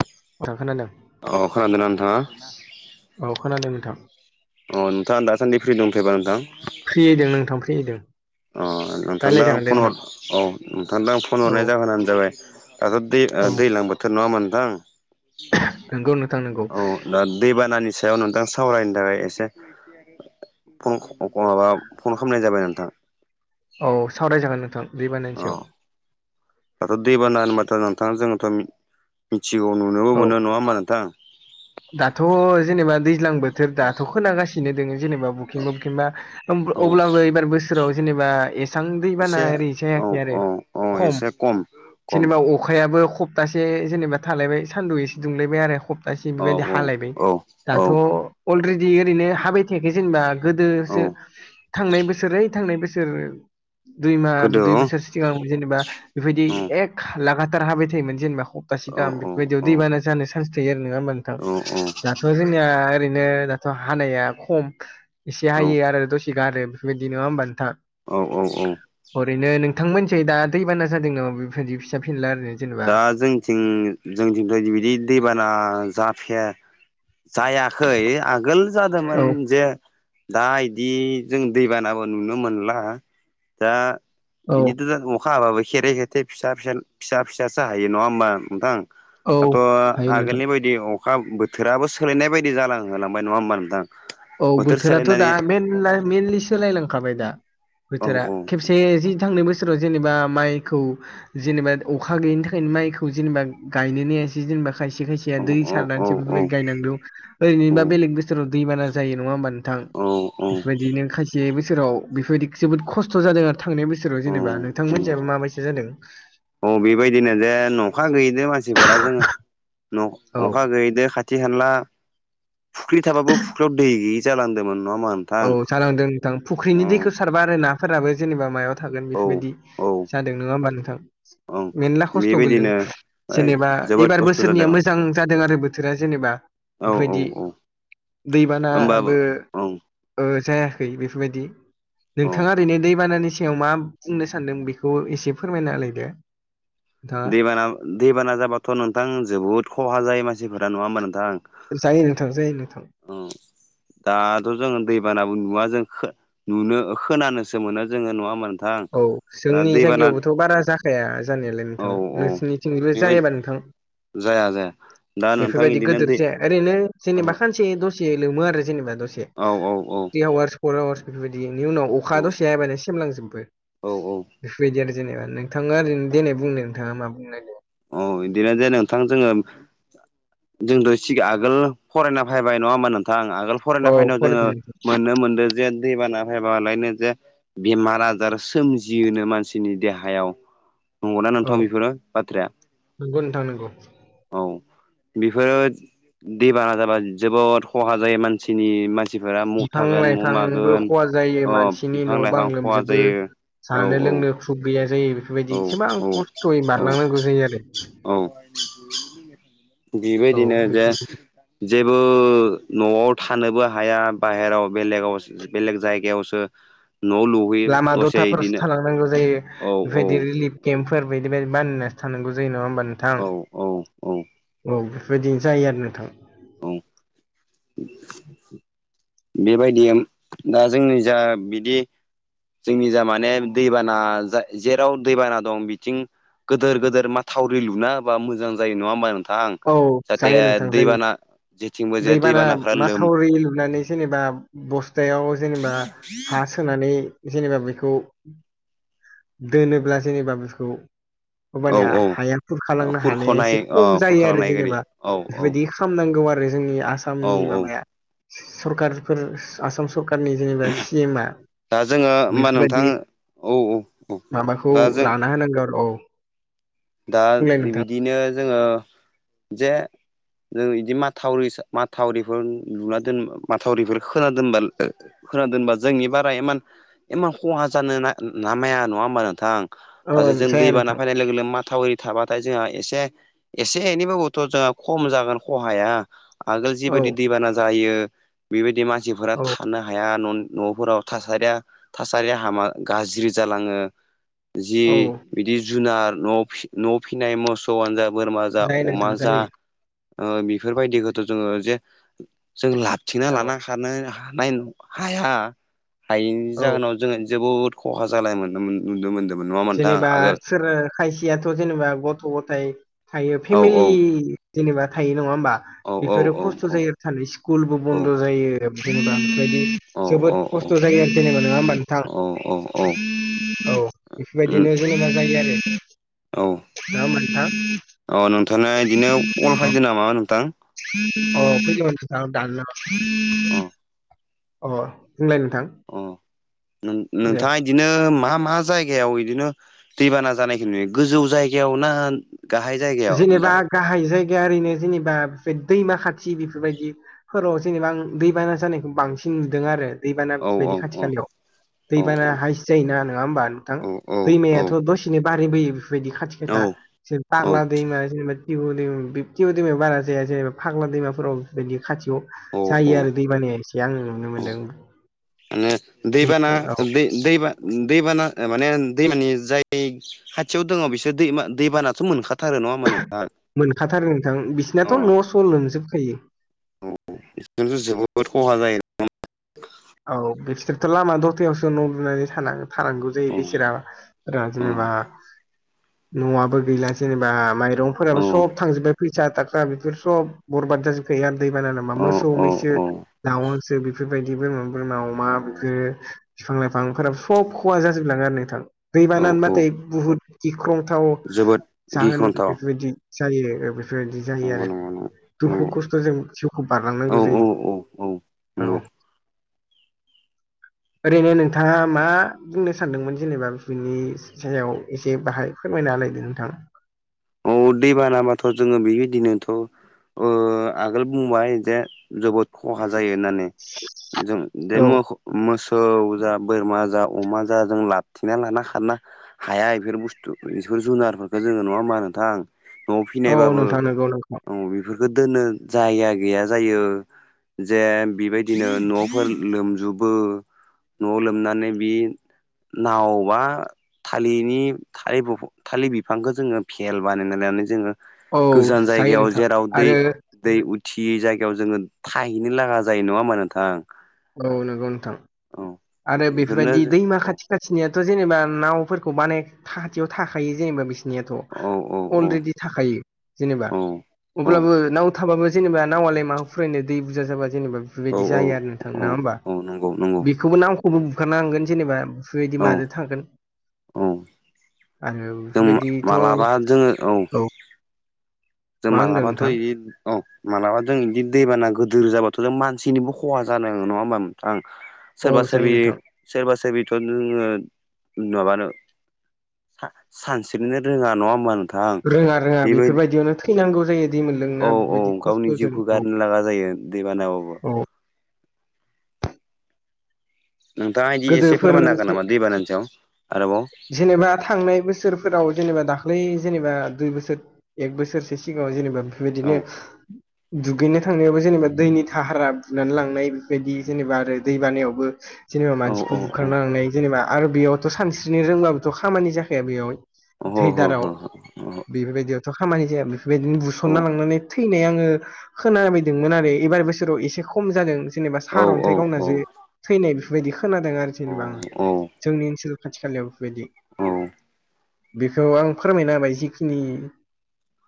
बि [inaudible] [unintelligible] अ खोनादों ना नोंथाङा? औ खोनादों नोंथां। अ नोंथाङा दासान्दि फ्रि दंथ'योबा नोंथां? फ्रियै दों नोंथां फ्रियै दों। अ नोंथांदों आं फन हर औ नोंथांदों आं फन औ हरनाय जाहोनानो जाबाय दाथ' दै औ दैज्लां बोथोर नङा होमबा नोंथां? नंगौ नोंथां नंगौ औ दा दैबानानि सा सायाव नोंथां सावरायनो थाखाय एसे फन माबा फन खामनाय जाबाय नोंथां। औ सावरायजागोन नोंथां दैबानानि अ सायाव। दाथ' दैबाना होनबाथ' नोंथां जोङोथ' मिथिगौ नुनोबो औ मोनो नङा होमबा नोंथां? दाथ' जेनेबा दै ज्लां बोथोर दाथ' खोनागासिनो दोङो जेनबा बखिंबा बखिंबा औ अब्लाबो एबार बोसो सोराव जेनेबा एसां दैबाना एसे ओरै औ जायाखै आरो औ औ खम एसे खम जेनेबा अ अखायाबो खप्तासे जेनेबा थालायबाय सान्दुं एसे दुंलायबाय आरो खप्तासे थि औ बेबायदि हालायबाय औ औ औ दाथ' अलरेडि ओरैनो हाबाय थायाखै जोंना औ गोदोसो थांनाय बोसोर ओइ थांनाय बोसोर दुइ माह गोदो दुइ औ बोसोरसो सिगां जेनेबा बेफोरबायदि एक लागाथार हाबाय थायोमोन जेनेबा हप्तासे औ गाहाम औ बेफोरबायदियाव औ दैबाना जानो चान्स थायो आरो नङा होमबा नोंथां औ दाथ' जोंनिया ओरैनो राव हानाया खम एसे औ हायो आरो दसे गारो बेफोरबायदि नङा होमबा नोंथां? औ औ औ। ओरैनो नोंथांमोनसै दा दैबाना जादों नामा बेफोरबायदि फिसा फिनला आरो दा जोंथिं जोंथिंथ' इबायदि दैबाना जाफाया जायाखै आगोल औ जादोंमोन जे दा इदि जों दैबानाबो नुनो मोनला दा औ बिदिथ' दा अखा हाबाबो खेरे खेथे फिसा फिसा फिसा फिसासो हायो नङा होमबा नोंथां? औ हायो दाथ' नोंथां आगोलनि बायदि अखा बोथोराबो सोलायनाय बायदि जालांहालांबाय नङा होमबा नोंथां? औ बोथोर बोथोराथ' दा सोलायनानै मेनला मेनलि सोलायलांखाबाय दा। औ बोथोरा खेबसे जि थांनाय बोसोराव जेनेबा माइखौ जेनेबा अखा गैयिनि थाखायनो माइखौ जेनेबा गायनोनो हायासै जेनेबा खायसे खायसे या औ दै औ सारनानैसो बेफोरबायदि गायनांगौ ओरैनोबा बेलेग बोसोराव दैबाना जायो नङा होमबा नों थां औ बेफोरबायदिनो खायसे बोसोराव बेफोरबायदि जोबोद खस्थ' जादों आरो थांनाय बोसो राव औ जेनेबा औ नेंथांमोनजा माबायसा जादों? औ बेबायदिनो जे नखा गोैयैदो मानसिफोरा जोङो न औ अखा गोैयैदो खा थि खानला फुख्रि थाबाबो फुख्रियाव दै गैयि जालांदोंमोन नङा [unintelligible] औ जालांदों नोंथां फुख्रिनि उम दैखौ सारबा आरो नाफोराबो जेनेबा मायाव थागोन औ बेफोरबायदि औ जादों नङा होमबा नोंथां? ओं मेरला खस्थ' बेबायदिनो गोलैदों जेनेबा जोबोद एबार खस्थ' जादों बोसोरनिया मोजां जादों आरो बोथोरा जेनेबा। औ औ बेफोरबायदि औ होमबाबो दैबानाबो औ ओ जायाखै बेफोरबायदि औ नोंथाङा ओरैनो दैबानानि सायाव मा बुंनो सानदों बेखौ एसे फोरमायनालायदो दैबाना दैबाना जाबाथ' नोंथां जोबोद खहा जायो मानसिफोरा नङा होमबा नोंथां जायो नोंथां जायो नोंथां औ दाथ' जोङो दैबानाबो नुवा जों खो नुनो खोनानोसो मोनो जोङो नोङा होबा नोंथां औ दा जोंनि दैबाना जायगायावबोथ' बारा जाख फाया जानायालाय औ नोंथां औ नोंसोरनिथिंल' बेबायदि जायोबा नोंथां जाया जाया दा नोंथां बेफोरबायदि बिदिनो गोदोर दै जाया ओरैनो जेनेबा ओहो खानसे दसे लोमो आरो जेनेबा दसे औ औ दैआव फर आवार्स बेफोरबायदिनि उनाव अखा औ दसे हायाबानो सेमलांजोबो औ औ बेफोरबायदि आरो जेनेबा नोंथाङा औ ओरै देनाय बुंनाय नोंथाङा मा बुंनोनागिरदों औ बिदिनो जेन नोंथां जोङो जोंथ' सिगां आगोल फरायना फैबाय नङा होमबा नोंथां आगोल औ फरायना फैनायाव जोङो फरायदों नोंथां। मोननो मोनदों जे दैबाना फैबालायनो जे बेमार आजार सोमजियोनो मानसिनि देहायाव नंगौना नोंथां बेफोरो बाथ्राया नोंगौ नोंथां नोंगौ औ बेफोरो दैबाना जाबा जोबोद खहा जायो मानसिनि मानसि बिफां लाइफांबो खहा जायो अ मानसिनि बिफां न' बां लाइफां खहा लोमजोबो जायो औ जानो औ लोंनो ख्रुब गैया जायो औ बेफोरबायदि एसेबां खस्थ'यै औ बारलांनांगौ जायो आरो औ औ बेबायदिनो जे बेफोर जेबो न'आव थानोबो हाया बाहेरायाव बेलेगाव बेलेग जायगायावसो नलु लामा दथाफोरावसो थालांनांगौ जायो औ औ बेबायदि रिलिफ केम्फोर बायदि बायदि बानायना थानांगौ जायो नङा होनबा नों औ औ औ औ बेफोरबायदिनो जायो आरो नोंथां औ बेबायदि दा जोंनि जा बिदि जोंनि जा माने दैबाना जेराव दैबाना दं बिथिं गोदोर गोदोर माथावरि लुना हाबा मोजां जायो नङा होमबा नों थां औ जाहाथे जायो नोंथां जायो दैबाना जेथिंबो जे दैबाना दैबानाफ्रा लोम माथावरि लुनानै जेनेबा बस्थायाव जेनेबा हा सोनानै जेनेबा बेखौ दोनोब्ला जेनेबा बेखौ औ हबानिया औ हाया खुरखालांनो हानाया खुरख'नाय एसे अ खम आरो खुरखालांनाय गोरि जेनेबा औ औ बेफोरबायदि खालामनांगौ आरो जोंनि औ आसामनि औ माबाया सरखारफोर आसाम सरखार सरखार नि जेनेबा सि एमआ दा जोङो होमबा नोंथां बेफोरबायदि औ औ औ माबाखौ दा जों लाना होनांगौ औ दा बुंलाय नोंथां बिदिनो जोङो जे जों बिदि माथावरि माथावरिफोर लुना दोन माथावरिफोर खोना दोनबा खोनादोंनबा जोंनि बारा इमान इमान खहा जानो नामाया नङा होमबा नोंथां औ दासो जों दै जाया बाना नोंथां फैनाय लोगो लोगो माथ थावरि थाबाथाय जोंहा एसे एसे एनैबाबोथ' जोंहा खम जागोन खहाया आगोल औ जिबायदि दैबाना जायो बेबायदि मानसिफोरा औ थानो हाया न न'फोराव थासारिया थासारिया हामा गाज्रि जालाङो औ जि बिदि जुनार न न' फिसिनाय मोस जहन जा बोरमा जा जायो अमा नोंथां जा जायो बेफोरबायदिखौथ' जोङो जे जों लाबथिंना औ लाना खारनो हानाय हाया हायैनि औ जाहोनाव जोङो जोबोद खहा जालाय मोन नुनो मोन्दोंमोन नङामोनथां जेनेबा आ आगोल सोर खायसेयाथ' जेनेबा गथ' गथाय थायो औ औ फेमिलि जेनेबा थायो नङा होमबा औ बेफोरो औ औ खस्थ' जायो स स्कुलबो औ बन्द' जायो बुंबादि औ जोबोद औ औ खस्थ' जायो आरो जेनेबा नङा होमबा नोंथां औ। बेफोरबायदिनो जोनोमा जायो आरो नोंङा होमब्ला नोंथां। अ नोंथाङा बिदिनो कल फैदो नामाा नोंथां ओ फैदोंबा नोंथां दाना अ हर अ बुंलाय नोंथां। अ दे नोंथाङा बिदिनो मा मा जायगायाव बिदिनो दैबाना जानायखौ नुयो गोजौ जायगायाव ना गाहाय जायगायाव जेनेबा नोंथां गाहाय जायगाया ओरैनो जेनेबा बे दैमा खाथि बेफोरबायदि फोराव जेनेबा आं दैबाना जानायखौ बांसिन नुदों आरो दैबाना औ औ बायदि औ खाथि खालयाव औ दैबाना हाय जाय ना नङा होमबा नोंथां औ औ औ दैमायाथ' दसे बिनो बारि बोयो बेफोरबायदि खाथि खाथा फाग्ला दैमा जेनेबा टिबु दै टिबु दैमायाव बारा जाया जेनेबा फाग्ला दैमाफोराव बेबायदि खाथियाव औ औ जायो आरो दै बानाया एसे आं नुनो मोनदों। आङो दैबाना नोंथां औ दै दैबान दैबाना माने दैमानि जाय खाथियाव दङ बिसोर दैा दैबानाथ' मोनखाथारो नङा होमबा नोंथां मोनखाथारो नोंथां अ बिसिनाथ' न'स'ल लोमजोबखायो। औ बेनोथ' जोबोद खहा जायो। औ बिसोरथ' लामा दथायायावसो न' लुनानै थान थानांगौ जायो औ बिसोरा फोर औ जेनेबा न'आबो गैला जेनेबा औ माइरंफोराबो सब थांजोब्बाय फैसा थाखा बेफोर सब बरबाद जाजोबखायो आरो दैबाना नामा औ मोसौ औ मैसो दाउसो बेफोरबायदि बोरमा बोरमा अमा बेफोर बिफां लाइफांफोराबो सब खहा जाजोबलाङो आरो नोंथां दै औ औ बानानानैबाथाय बुहुद गिख्रंथाव जोबोद जाहोन गिख्रंथाव बेफोरबायदि जायो बेबायदि जायो नंगौ आरो नंगौ नंगौ नंगौ दुखु खस्थ'जों जिउखौ औ बारलांनांगौ औ जायो। औ औ औ नंगौ। ओरैनो नोंथाङा मा बुंनो सानदोंमोन जेनेबा बिनि जायाव एसे बाहाय फोरमायनालायदो नोंथां औ दै बानाबाथ' जोङो बेबायदिनोथ' आगोल बुंबाय जे जबोद खहा जायो होननानै जों द औ मुवाखौ मोसौ जा बोरमा जा अमा जा जों लाबथिना लाना खारा हाया बेफोर बुस्थु बेफोर जुनारफोरखौ जोङो नङा मानो होन थां न'आव औ फिनायबाबो नोंथां नंगौ नोंथां बे बेफोरखौ दोननो जायाया गैया जायो जे बेबायदिनो न'फोर लोमजोबो। न'आव लोमनानै बि नावबा थालिरनि थालिर बिफांखौ जोङो फि खेल बानायनानै जोङो औ गोजान जायो जायगायाव नोंथां जेराव दै आरो दै उथियै जायगायाव जोङो थाहैनो लागा जायो नङा होमबा नोंथां औ नंगौ नोंथां औ आरो बेफोरनो बेफोरबायदि दैमा औ खाथि खाथिनियाथ' जेनेबा नावफोरखौ बानाय खाथियाव थाखायो जेनेबा बिसोर बिनिथ' औ औ औ अलरेडि थाखायो जेनेबा औ अब्लाबो नाव थाबाबो जेनेबा नावआालाय माखौ फुरनो दै बुरजा जाबा जेनेबा औ बेबायदि औ जायो आरो। नोंथां नङा औ होमबा औ नंगौ नंगौ बेखौबो नामखौबो बुखानांगोन जेनेबा बेफोरबायदि औ माजों थांगोन औ आरो जों बेफोरबायदिथ' मालाबा औ जोङो औ जों मा होनदों मालाबाथ' नोंथां [unintelligible] औ मालाबा जों बिदि दैबाना गोदोर जाबाथ' जों मानसिनिबो खहा जानाङो नङा होमबा नोंथां औ सोरबा जायो सोरबि नोंथां सोरबा सोरबिथ' नोङो माबानो था सानस्रिनो रोङा नङा होमबा नोंथां रोङा रोङा बेबायदि बेफोरबायदियावनो थैनांगौ जायो दै औ मोनलोंना औ बेफोरबायदि गावनि खस्थ'जों जिउखौ औ गारनो लागा जायो दैबानाबाबो औ नोंथाङा इदि एसे गोदोफोर फोरमाननो हागोन एसे नामा दैबानानि सायाव आरोबाव जेनेबा थांनाय बोसोरफोराव जेनेबा दाख्लै जेनेबा दुइ बोसोर एक बोसोरसो सिगाङाव जेनेबा औ बेफोरबायदिनो दुगैनो थांनायावबो जेनेबा दैनि थाहारा बुनानै लांनाय बेफोरबायदि जेनेबा आरो दै बानायावबो जेनेबा औ मान औ औ बा आरो बेयावथ' सानस्रिनो रोंबाबोथ' खामानि जाखाया बेयाव ओहो दै हो दाराव हो बेफोरबायदियावथ' खामानि जाया बेफोरबायदिनो औ बुसनना लांनानै थैनाय आङो खोनाबायदोंमोन आरो एबार बोसोराव एसे खम जादों जेनेबा औ सारअन्थाइ गावना औ जे थैनाय बेफोरबायदि खोनादों आरो औ जेनेबा आं औ जोंनि ओनसोल खाथि खालायाव बेफोरबायदि औ बेखौ आं फोरमायना होबाय जिखिनि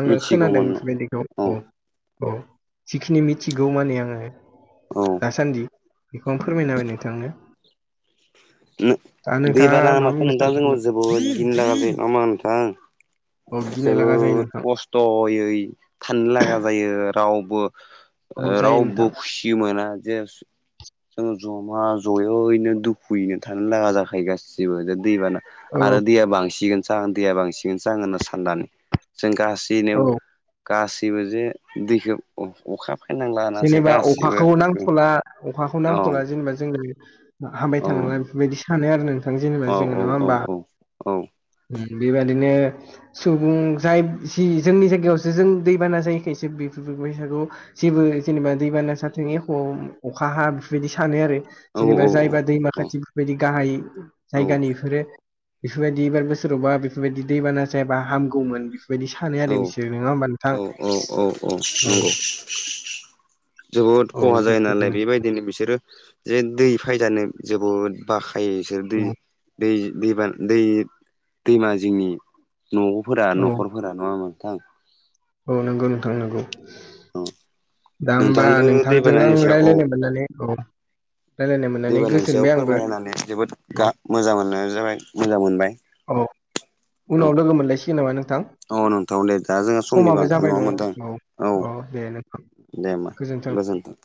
आङो खोनादों मिथिगौमोन बेफोरबायदिखौ औ औ जिखिनि मिथिगौ माने आङो औ दासान्दि बेखौ आं फोरमायना होबाय नोंथांनो दा [unintelligible] दै नोंथाङा बाना मा बुंनो होनबाथ'नोंथां जों सानदों जोबोद गिनो लागा [unintelligible] नङा होमबा नोंथां औ गिनो लागा जायो जोबोद नोंथां खस्थ'यै थानो लागा जायो रावबो औ जायो रावबो नोंथां खुसि मोना जे जों जमा जयैनो दुख खुयैनो थानो लागा जाखायो गासिबो जे दैबाना औ आरो दैया बांसिगोन जाहोन दैया बांसिनगोनसो आं होनना साननानै जों गासैनो औ गासैबो जे दैखौ अखा फैनांला होननासो जेनेबा गासैबो अखाखौ नांथ'ला अखाखौ औ नांथ'ला जेनेबा जोङो हाबाय औ थानांला बेफोरबायदि सानो आरो नोंथां जेनेबा औ जोङो नङा औ होमबा औ ओम बेबायदिनो सुबुं जाय जि जोंनि जायगायावसो जों दैबाना जायैखायसो [unintelligible] जेबो जेनेबा दैबाना जाथों एख' अखा हा बेफोरबायदि सानो आरो औ जेनेबा जायबा दैमा खााथि बेफोरबायदि गाहाय जायगानि एफोरो बेफोरबायदि एबार बोसो रावबा बेफोरबायदि दैबाना जायाबा हामगौमोन बेफोरबायदि सानो औ आरो बिसोरो नङा होमबा नोंथां औ औ औ औ नंगौ जोबोद खहा जायो नालाय बेबायदिनो बिसोरो जे दै फायजानो जोबोद बाखायो इसोर दै औ दै दै बाना दै दैमा जिंनि न' फोरा औ न'खरफोरा नङा होमबा नोंथां औ नोंगौ नोंथां नोंगौ औ दा होमबा नोंथांजों नोंथांजों दैबानानि आं सायाव औ रायलायनो मोननानै औ रायज्लायनो मोननानै दैबानानि सायाव गोजोनबाय आंबो फोरमायनानै जोबोद गा औ मोजां मोननो जाबाय मोजां मोनबाय। औ औ उनाव लोगो मोनलायसिगोन नामा नोंथां। औ नोंथाव ले गा जोङो समनिबो समाबो आंखाल जाबाय नङा होमबा औ नोंथां दे नोंथां औ दे होनबा गोजोन्थों।